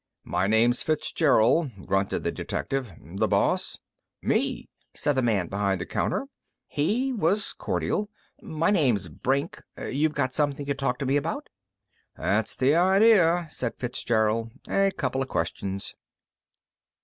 "My name's Fitzgerald," grunted the detective. "The boss?" "Me," said the man behind the counter. He was cordial. "My name's Brink. You've got something to talk to me about?" "That's the idea," said Fitzgerald. "A coupla questions."